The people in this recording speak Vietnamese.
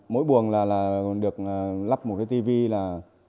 mỗi buồng được lắp một cái tv là ba mươi hai